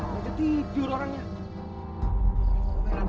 kita tinggal operasi